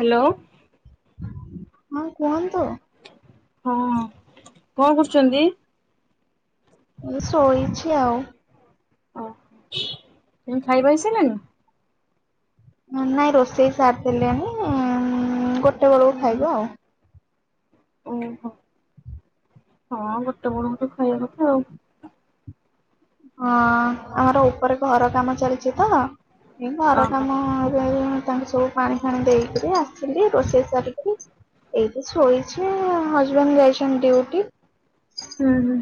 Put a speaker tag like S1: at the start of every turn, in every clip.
S1: Hello.
S2: ହଁ କୁହନ୍ତୁ।
S1: ହଁ କଣ କରୁଛନ୍ତି?
S2: ମୁ ଶୋଇଛି ଆଉ।
S1: ଓ ତମ ଖାଇବା ହେଇସାରିଲାଣି?
S2: ନାଇଁ ରୋଷେଇ ସାରିଦେଲେଣି ଗୋ ଟେ ବେଳକୁ ଖାଇବା ଆଉ।
S1: ଓହୋ ହଁ ଗୋଟେ ବେଳକୁ ତ ଖାଇବା କଥା ଆଉ।
S2: ହଁ ଆମର ଉପରେ ଘର କାମ ଚାଲିଛି ତ। ଏ ଘର
S1: ଓହୋ।
S2: କାମ ରେ ତାଙ୍କୁ ସବୁ ପାଣି ଫାଣି ଦେଇକରି ଆସିଲି ରୋଷେଇ ସାରିକି ଏକି ଶୋଇଛି ହଜବେଣ୍ଡ ଯାଇଛନ୍ତି ଡୁଉଟି।
S1: ହୁଁ ହୁଁ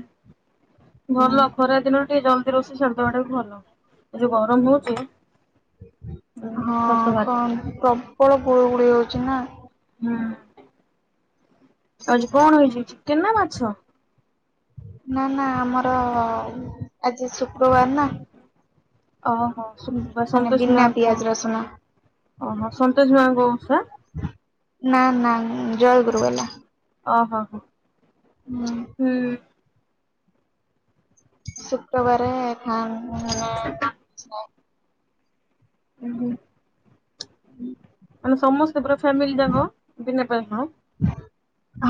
S2: ହୁଁ,
S1: ଭଲ ଖରା ଦିନ ତେ ଜଲ ରୋଷେଇ ସାରିଦେବ ଟା ବି ଭଲ। ଏ ଯୋଉ ଗରମ ହଉଛି ଖସ ବାହାରି
S2: ହଁ-ଅ-ଅ
S1: ପଡିବ।
S2: ଖ ପବ୍ ବଳ ଗୁଳୁଗୁଳି ହଉଛି ନା।
S1: ହୁଁ। ଆଜି କଣ ହେଇଚି ଚିକେନ୍ ନା ମାଛ?
S2: ନାଁ ନାଁ ଆମର-ଅ -ଅ ଆଜ ଜି ଶୁକ୍ରବାର ନା
S1: ଓହୋ ଶୁକ୍ରବାର
S2: ମାନେ
S1: ସନ୍ତୋଷୀ
S2: ବିନା
S1: ମାଙ୍କୁ,
S2: ପିଆଜ ରସୁଣ
S1: ଓହୋ ସନ୍ତୋଷୀ ମା କୋଉ ଓଷା?
S2: ନା ନା ଜୟଗୁରୁ ବାଲା।
S1: ଓ ହୋ ହ। ହୁଁ।
S2: ଶୁକ୍ରବାରେ ଖାନ୍ [inaudible]
S1: ଉ ହୁଁ।
S2: [inaudible]
S1: ମାନେ ସମସ୍ତେ ପୁରା ଫ୍ୟାମିଲି ଯାକ ବିନା ପିଆଜ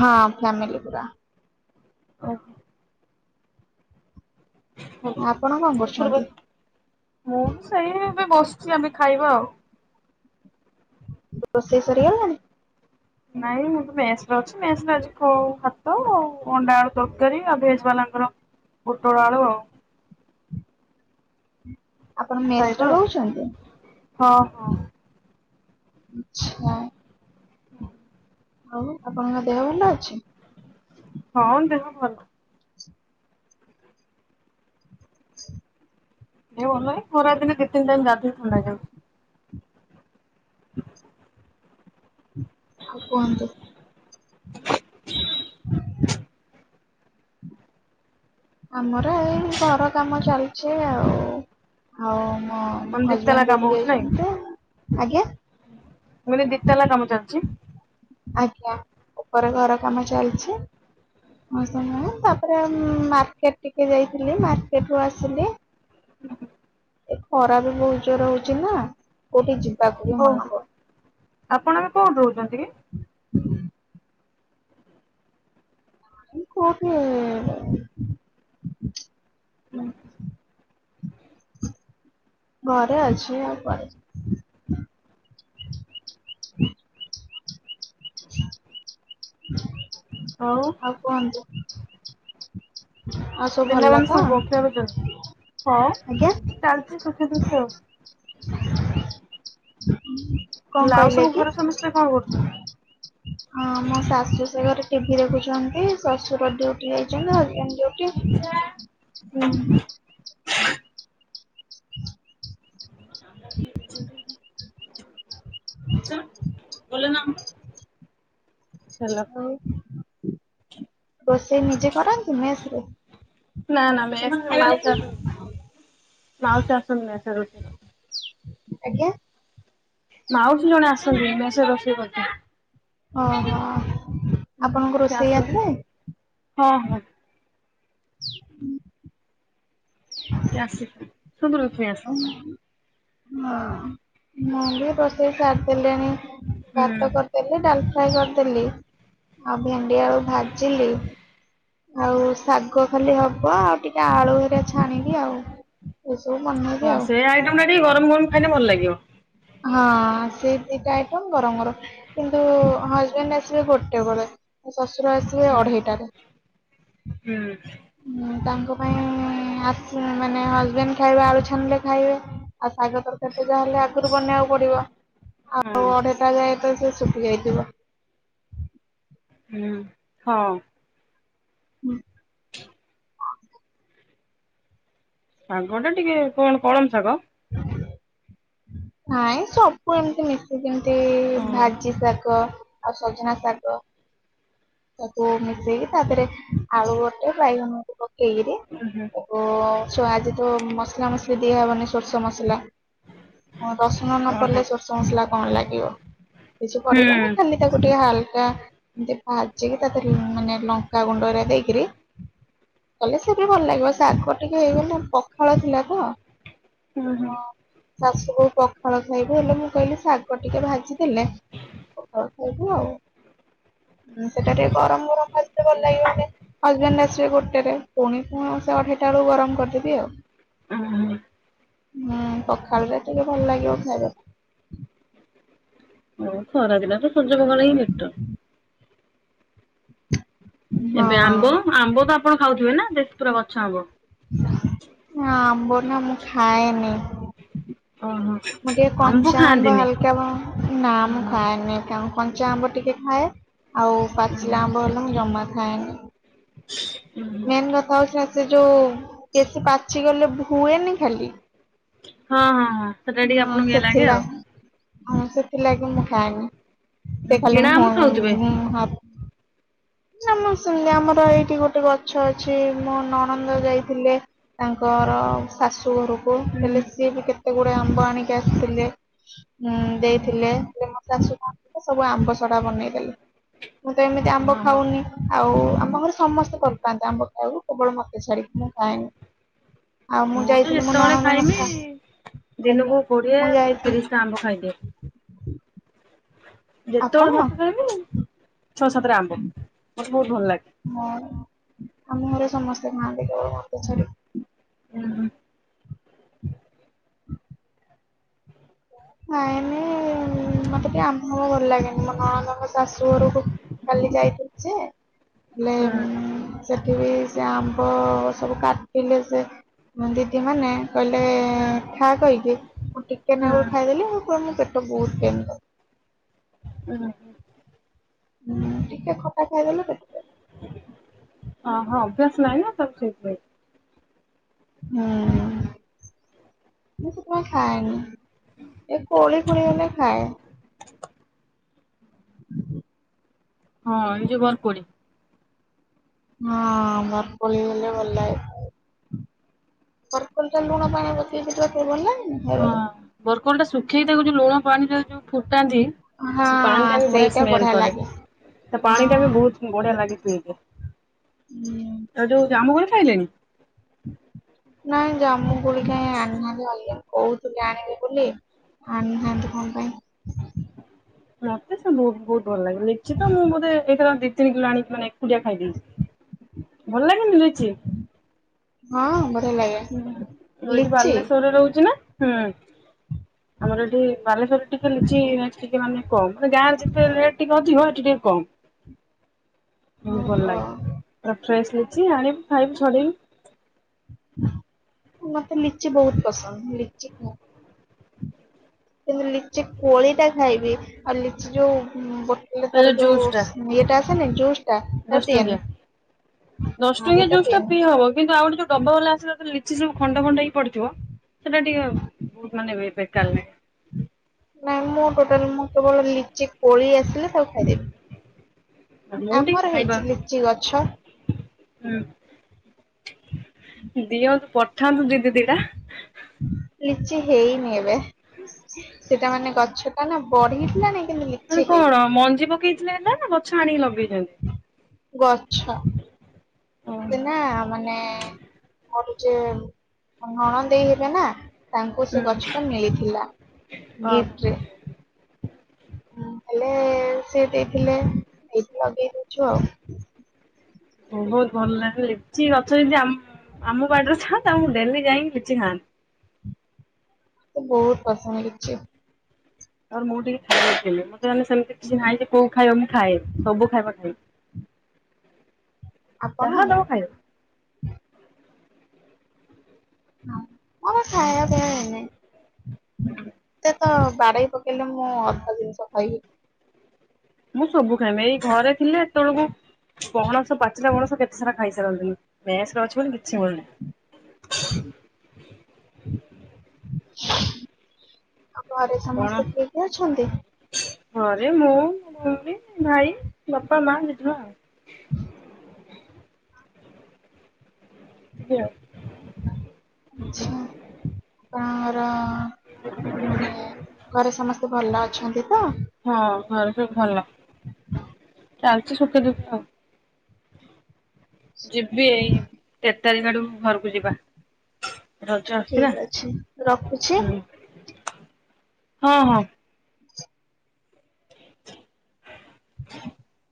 S2: ହଁ ଫ୍ୟାମିଲି ପୁରା।
S1: ଓହୋ
S2: ଆପଣ କଣ କରୁଛନ୍ତି?
S1: ଶୁକ୍ରବାର ଏ ବସୁଛି ଆମେ ଖାଇବା ଆଉ।
S2: ରୋଷେଇ ସରିଗଲାଣି?
S1: ନାଇଁ ମୁଁ ତ ମେଶ୍ ରେ ଅଛି। ନେସ୍ ରେ ଆଜି କୋଉ ଭା ତ ଆଉ ଅଣ୍ଡା ଆଳୁ ତରକାରୀ। ଆଉ ଭେଜ ବାଲାଙ୍କର ପୋଟଳ ଆଳୁ ଆଉ।
S2: ଆପଣ ମେସ୍
S1: ଖାଇବା
S2: ରେ
S1: ଆଉ
S2: ରହୁଚନ୍ତି?
S1: ହଁ ହଁ।
S2: ଆଛା। ଆଉ ଆପଣଙ୍କ ଦେହ ଭଲ ଅଛି?
S1: ହଁ ଦେହ ଭଲ। ଦେହ ଭଲ ହିଁ ଖରା ଦିନେ ଦି ତିନି ଟାଇମ ଗାଧ ଫେର୍ ଥଣ୍ଡା ହେଇଯାଉଚି। [inaudible]
S2: ଆଉ କୁହନ୍ତୁ? ଆମର ଏଇ ଘର କାମ ଚାଲିଛି ଆଉ ଆଉ ମୋ
S1: କଣ
S2: ହଜବେଣ୍ଡ
S1: ଦିତାଲା
S2: ଡ୍ୟୁଟି
S1: କାମ ହୋଉଚି ନାଇଁ?
S2: ଯାଇଛନ୍ତି। ଆଜ୍ଞା?
S1: କହିଲି ଦି ତାଲା କାମ ଚାଲିଛି
S2: ଆଜ୍ଞା ଉପରେ ଘର କାମ ଚାଲଚି ଆଉ [unintelligible] ତାପରେ ଉଁ ମାର୍କେଟ ଟିକେ ଯାଇଥିଲି ମାର୍କେଟ ରୁ ଆସିଲି। ଏ ଖରା ବି ବହୁତ ଜୋରେ ହଉଚି ନା କୋଉଠି ଜି
S1: ହଉନି ଆପଣ ଏବେ କୋଉଠି ରହୁଚନ୍ତି କି?
S2: [unintelligible] କାଇଁ କୋଉଠି ଏ
S1: ହୁଁ।
S2: ଘରେ ଅଛି ଆଉ କୁଆଡେ ଯିବି। [unintelligible] [unintelligible] ଆଉ କୁହନ୍ତୁ। [unintelligible] ହଁ [inaudible]
S1: ପିଲାମାନେ ସବୁ କଣ ଖେଳୁ ଛନ୍ତି? ହ
S2: ଆଜ୍ଞା
S1: [inaudible] ଚାଲିଚି ସୁଖେ ଦୁଃଖେ ଆଉ।
S2: [unintelligible] କଅ
S1: କହିଲି ଆଉ
S2: କହିଲେ
S1: ସବୁ
S2: କି?
S1: ଘରେ ସମସ୍ତେ କଣ କରୁଛନ୍ତି?
S2: ହଁ ମୋ ଶାଶୁ ଶଶୁର ଟିଭି ଦେଖୁଛନ୍ତି, ଶ୍ୱଶୁର ଡ୍ୟୁଟି ଯାଇଛନ୍ତି, ହଜବ୍ୟାଣ୍ଡ
S1: ଲିଜା ହୁଁ [inaudible]
S2: [unintelligible]
S1: ଲିଜା ଗଲେନା [unintelligible] ହ୍ୟାଲୋ
S2: [unintelligible] ରୋଷେଇ ନିଜେ କରନ୍ତି ମେସରେ?
S1: ନା ନା ମେସ ମାଉସୀ ଆସନ୍ତି ମାଉସୀ ଆସନ୍ତି ମେସ ରେ ରୋଷେଇ କରନ୍ତି।
S2: ଆଜ୍ଞା?
S1: ମାଉସୀ ଜଣେ ଆସନ୍ତି ମେସରେ ରୋଷେଇ କରିତେ।
S2: ଓହୋ, ଆପଣଙ୍କୁ
S1: ସେ
S2: ରୋଷେଇ
S1: ଆସନ୍ତି
S2: ଆସେ?
S1: ହଁ ହଁ
S2: [inaudible]
S1: କେ ଆସେ ସେମତି ରୋଷେଇ ଆସେ।
S2: ହଁ ନହେଲେ ରୋଷେଇ ସାରିଦେଲେଣି
S1: ହୁଁ
S2: ଭାତ କରିଦେଲି, ଡାଲ ଫ୍ରାଏ କରିଦେଲି। ଆଉ ଭେଣ୍ଡି ଆଳୁ ଭାଜିଲି, ଆଉ ଶାଗ ଖାଲି ହବ, ଆଉ ଟିକେ ଆଳୁ ହେରିଆ ଛାଣିବି ଆଉ। ଏସବୁ ବନେଇବି
S1: ହଁ
S2: ଆଉ
S1: ସେ ଆଇଟମ ଟା ଟିକେ ଗରମ ଗରମ ଖାଇଲେ ଭଲ ଲାଗିବ।
S2: ହଁ ସେ ଦିଟା ଆଇଟମ ଗରମ ଗରମ କିନ୍ତୁ ହଜବ୍ୟାଣ୍ଡ ଆସିବେ ଗୋଟେ ବେଳେ। ଶଶୁର ଆସିବେ
S1: ହୁଁ
S2: ଅଢେଇଟାରେ
S1: ହୁଁ
S2: ତାଙ୍କ ପାଇଁ ଆ ମାନେ ହଜବେଣ୍ଡ ଖାଇବା ଆଳୁ ଛାଣିଲେ ଖାଇବେ ଆଉ ଶାଗ ତରକାରୀ ଯାହା ହେଲେ ଆଗରୁ ବନେଇବାକୁ ପଡିବ
S1: ହଁ
S2: ଆଉ ଅଢେଇଟା ଯାଏ ତ ସେ ଶୁଖି ଯାଇଥିବ।
S1: ହୁଁ ହଁ
S2: [inaudible]
S1: ଶାଗଟା ଟିକେ କଣ କଳମ ଶାଗ।
S2: [inaudible] ନାଇଁ ସବୁ ଏମତି ମିଶି ସେ ଯେମିତି
S1: ଓ
S2: ଭାଜି ଶାଗ ଆଉ ସଜନା ଶାଗ ତାକୁ ମିଶେଇକି ତାଥିରେ ଆଳୁ ଗୋଟେ ବାଇଗଣ ପକେଇ ଏଇରେ
S1: ଓହୋ
S2: ସ ଆଜି ତ ମସଲା ମସଲି ଦିଆ ହବନି ସୋରିଷ ମସଲା ରସୁଣ ନ
S1: ଓହୋ
S2: ପଡିଲେ ସୋରିଷ ମସଲା କଣ ଲାଗିବ କିଛି
S1: ହୁଁ
S2: ପଡିବନି
S1: ହୁଁ
S2: ଖାଲି ତାକୁ ଟିକେ ହାଲକା [unintelligible] ତାକୁ ମାନେ ଲଙ୍କା ଗୁଣ୍ଡରେ ଦେଇକରି କଲେ ସେ ଟିକେ ଭଲ ଲାଗିବ ଶାଗ ଟିକେ ହେଇଗଲେ ପଖାଳ ଥିଲା ତ
S1: ହୁଁ।
S2: [unintelligible] ଶାଶୁ ବୋହୂ ପଖାଳ ଖାଇବୁ ହେଲେ ମୁଁ କହିଲି ଶାଗ ଟିକେ ଭାଜିି ଥିଲେ ପଖାଳ [unintelligible] ସେଟା ଟିକେ ଗରମ ଗରମ ଖାଇଦେଲେ ଭଲ ଲାଗିବ ହଜବେଣ୍ଡ ଆସିବେ ଗୋଟେ ରେ ପୁଣି ପୁଣି ସେ ଅଢେଇଟା ବେଳକୁ ଗରମ କରିଦେବି ଆଉ
S1: ହୁଁ
S2: ହୁଁ ପଖାଳରେ ଟିକେ ଭଲ ଲାଗିବ ଖାଇବାକୁ।
S1: ହଉ ଖରା ଦିନ ତ ସଜ ପଖାଳ ହିଁ ବେଟର।
S2: ହଁ।
S1: ଏବେ ଆମ୍ବ ଆମ୍ବ ତ ଆପଣ ଖାଉଥିବେ ନା? ଦେଶୀ ପୁରା ଗଛ ଆମ୍ୱ
S2: ନା ଆମ୍ବ ନା ମୁଁ ଖାଏନି।
S1: ଓହୋ
S2: ମୁଁ ଟିକେ କଞ୍ଚା ଆମ୍ବ ହାଲକା ନା ମୁଁ
S1: ହଁ
S2: ଖାଏନି କଞ୍ଚା ଆମ୍ବ ଟିକେ ଖାଏ। ଆଉ ପାଚିଲା ଆମ୍ବ ହେଲା ମୁଁ ଜମା ହଁ ମେନ କଥା ହଉଛି ସେ ଯୋଉ ବେଶୀ ପାଚିଗଲେ ବୁହେନି ଖାଲି।
S1: ହଁ ହଁ ହଁ। ସେଟା ଟିକେ
S2: ହଁ
S1: ଆପଣଙ୍କୁ ଇଏ ଲାଗେ ଆଉ।
S2: ସେଥିଲାଗି ହଁ ସେଥିଲାଗି ମୁଁ ଖାଇନି। ସେ ଖାଲି-।
S1: କିଣା ଆମ୍ବ ଖାଉଥିବେ
S2: [unintelligible] ଆମ ସେମତି ଆମର ଏଇଠି ଗୋଟେ ଗଛ ଅଛି ମୋ ନଣନ୍ଦ ଦେଇଥିଲେ ତାଙ୍କର ଶାଶୁ ଘରକୁ। ହେଲେ ସେ କେତେ ଏ ଆମ୍ବ ଆଣିକି ଆସିଥିଲେ। ନଣନ୍ଦ ଦେଇଥିଲେ ମୋ ଶାଶୁଙ୍କୁ। ସବୁ ଆମ୍ବ ସଢା ବନେଇଦେଲି। ମୁଁ ତ ଏମିତି ଆମ୍ବ
S1: ହଁ
S2: ଖାଉନି ଆଉ ଆମ ଘରେ ସମସ୍ତେ ଭଲ ପାଆନ୍ତି ଆମ୍ବ ଖାଇବାକୁ କେବଳ ମତେ ଛାଡିକି ମୁଁ ଖାଏନି। ଆଉ ମୁଁ
S1: ତ
S2: ଯାଇଥିଲି ମୋ
S1: ଯେତେବେଳେ ଖାଇମି
S2: ନଣନ୍ଦଙ୍କ-ଶା
S1: ଦିନକୁ କୋଡିଏ ତିରିଶ ଟା ଆମ୍ବ ଖାଇଦିଏ।
S2: [inaudible] ଆପଣ?
S1: ଯେତେବେଳେ ଭାତ ଖାଇମି ଛଅ ସାତଟା ଆମ୍ବ। ବହୁତ ଭଲ ଲାଗେ।
S2: ହଁ। ଆମ ଘରେ ସମସ୍ତେ ଖାଆନ୍ତି କେବଳ ମତେ ଛାଡ଼ିକି।
S1: ହୁଁ ହ।
S2: [inaudible] ନାଇଁମ ମତେ ଟିକେ ଆମ୍ବ ଭଲ ଲାଗେନି ମୋ ନଣନ୍ଦଙ୍କ ଶାଶୁ ଘରକୁ କାଲି ଯାଇଥିଲି ଯେ ହେଲେ ସେଠି ବିି ସେ ଆମ୍ବ ସବୁ କାଟିଲେ ସେ ଦିଦି ମାନେ କହିଲେ ଖା କହିକି ମୁଁ ଟିକେ ନାଗୁରୁ ଖାଇଦେଲେ ଆଉ ବହୁତ ପ୍ରେମିକ।
S1: ଓ ହୋ।
S2: ମୁଁ ଟିକେ ଖଟା ଖାଇଦେଲେ-। [unintelligible]
S1: ହଁ ହଁ ଅଭ୍ୟାସ ନାହିଁ ନା ତ ସେଥିପାଇଁ।
S2: ହୁଁ ମୁ କଣ ଖାଏନି ଏ କୋଳି ଫୋଳି ହେଲେ ଖାଏ। ହୁଁ।
S1: ହଁ ଏ ଯୋଉ ବର କୋଳି।
S2: ହଁ ବରକୋଳି ହେଲେ ଭଲ ଲାଗେ ବରକୋଳି ଟା ଲୁଣ ପାଣି ପକେଇଲେ ତତେ ଭଲ ଲାଗେନି?
S1: ହଁ
S2: ଖାଇବାକୁ
S1: ବରକୋଳି ଟା ଶୁଖେଇ ତାକୁ ଯଦି ଲୁଣ ପାଣିରେ ଫୁ। ଟାନ୍ତି
S2: ହଁ
S1: ପାଣି ଟା ବି ବଢିଆ
S2: ସେଇଟା
S1: ସ୍ମେଲ କରେ
S2: ଲାଗେ
S1: ତା
S2: ହଁ
S1: ପାଣି ଟା ବି ବହୁତ ବଢିଆ ଲାଗେ ପିଇତେ
S2: ହୁଁ।
S1: ଆ ଯୋଉ ଯାମୁ କୋଳି? ଖାଇଲେଣି।
S2: ନାଇଁ ଜାମୁ କୋଳି କାଇଁ ଆଣିନାହାନ୍ତି ଆନିଲେ କହୁଥିଲେ ଆଣିବେ ବୋଲି, ଆଣିନାହାନ୍ତି କଣ ପାଇଁ।
S1: ମୋତେ ସେ ବୋ ବହୁ ଭଲ ଲାଗେ ନିଚିତ ମୁଁ ବୋଧେ ଏ ଥର ଯି ଦି କିଲ ଆଣିକି ମାନେ ଏକୁଟିଆ ଖାଇଦେଇଚି।
S2: ହଁ ବଢିଆ ଲାଗେ
S1: ହୁଁଁ ଏଇଠି
S2: ଲିଚି
S1: ବାଲେଶ୍ୱରରେ ରହୁଛି ନା ହୁଁ। ଆମର ଏଠି ବାଲେଶ୍ୱରରେ ଟିକେ ଲିଚି-ଇ-ଇ ଟିକେ ମାନେ କମ। ମାନେ ଯାହାର ଯେତେ ରେଟ୍ ଟିକେ ଅଧିକ ଟିକେ କମ୍। ହୁଁ ଭଲ
S2: ଓହୋ।
S1: ଲାଗେ। ପୁରା ଫ୍ରେସ୍ ଲିଚି ଆଣିବୁ। ଖାଇବୁ ଛଡେଇଵୁ
S2: ମତେ ଲିଚି ବହୁତ ପସନ୍ଦ। ଲିଚି କ କିନ୍ତୁ ଲିଚି କୋଳି ଟା ଖାଇବି ଆଉ ଲିଚି ଯୋଉ ବୋଟ୍ ହେଲେ
S1: ତା
S2: ତାର
S1: ଜୁସ୍
S2: ଯୋଉ
S1: ଟା
S2: ସ୍ମେ ଟା ହେଲେ ଜୁସ୍ ଟା ସେଟା
S1: ଦଶ
S2: ପିଏନି।
S1: ଟଙ୍କିଆ। ଦଶ
S2: ହଁ
S1: ଟଙ୍କିଆ
S2: ସେଟା
S1: ଜୁସ୍ ଟା
S2: ପିଏନି
S1: ପି ହବ କିନ୍ତୁ ଆଉ ଗୋଟେ ଯୋଉ ଡବାବାଲା ଆସେ ତା ଦେହେରେ ଲିଚି ସବୁ ଖଣ୍ଡ ଖଣ୍ଡ ହେଇ ପଡ଼ିଥିବ। ସେଟା ଟିକେ ବହୁତ ମାନେ ବେ ବେକାର ଲାଗେ।
S2: ନାଇଁ ମୁଁ ଟୋଟାଲ ମୁଁ କେବଳ ଲିଚି କୋଳି ଆସିଲେ ତାକୁ ଖାଇଦେବି।
S1: ମୁଁ ଟିକେ
S2: ଆମର
S1: ଖାଇବା
S2: ହେଇଛି ଲିଚି ଗଛ।
S1: ହୁଁ ଦିଅ ପ ଠାନ୍ତୁ ଦିଦି ଦିଟା।
S2: ଲିଚି ହେଇନି ଏବେ। ସେଟା ମାନେ ଗଛ କାଇଁ ନା ବଢିଥିଲା ନାଇଁ
S1: ମାନେ କଣ ମଞ୍ଜି ପକେଇଥିଲେ ନା ନା ଗଛ ଆଣିକି ଲଗେ୍
S2: ଗଛ।
S1: ଓହୋ।
S2: ସେନା ମାନେ କରୁଚେ ମୋ ନନନ୍ଦେଇ ହେବେ ନା। ତାଙ୍କୁ
S1: ଉଁ
S2: ସେ ଗଛଟା ମିଳିଥିଲା
S1: ଓହୋ
S2: ଗିଫ୍ଟରେ। ହୁଁ ହେଲେ ସେ ଦେଇଥିଲେ। ଏଇଠି ଲଗେଇ ଦେଇଛୁ ଆଉ।
S1: ହୁଁ ବହୁତ ଭଲ ଲାଗେେ। ଲିଚି ଗଛ ଯଦି ଆମ୍ ଉଁ ଆମ ବାଡ଼ିରେ ଥାଆନ୍ତା। ମୁଁ ଡେଲି ଯାଇ ଲିଚି ଖାଆନ୍ତି।
S2: ମତେ ବହୁତ ପସନ୍ଦ ଲିଚି।
S1: ଆ ମୁଁ ଟିକେ ଖାଇ ନଥିଲି। ମୁଁ ତ ମେ ସେମିତି କିଛି ନାଇଁ ଯେ କୋଉ ଖାଇବା ମୁଁ ଖାଏ। ସବୁ ଖାଇବା ଖାଏ।
S2: ଆପଣ?
S1: ଯାହା ଦବ ଖାଇବ।
S2: ହ ମମର ଖାୟ ଦେ ଏନ- [inaudible] ତ ବାଡେଇ ପକେଇଲେ ମୁଁ ଅଧା ଜିନିଷ ଖାଇବି-
S1: ମୁଁ ସବୁ ଖାଇମି ଏଇ ଘରେ ଥିଲେ ଏତେବେଳକୁ ପଣସ ପାଚିଲା ପଣସ କେତେ ସାରା ଖାଇସାରନ୍ତିନି ମେସ ଗଛ ବୋଲି କିଛି ମିଳୁନି-
S2: [inaudible] ଆଉ ଘରେ
S1: କଣ
S2: ସମସ୍ତେ ଠିକ ଅଛନ୍ତି-
S1: ଘରେ ମୁଁ ମୋ ଭଉଣୀ ଭାଇ ବାପା ମା ଜେଜେମା ଆଉ - ହୁଁ
S2: ଆଚ୍ଛା- କର- ମାନେ ଘରେ ସମସ୍ତେ- ମତେ ଭଲ ଅଛନ୍ତି ତ-
S1: ହଁ ଘରେ ସ ବୁ ଭଲ ଚାଲିଛି ସୁଖେ ଦୁଃଖେ ଆଉ- ଯିବି ଏଇ ତାେନା ଡୁ - ଘରକୁ ଯିବା- ରଜ ଆସୁଛି
S2: ଠିକ
S1: ନା
S2: ଅଛି ରଖୁଛି-
S1: ହଁ ହଁ [inaudible]